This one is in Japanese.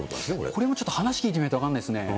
これもちょっと話聞いてみないと分かんないっすね。